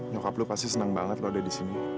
nyokap lo pasti senang banget loh udah di sini